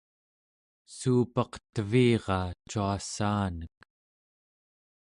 suupaq teviraa cuassaanek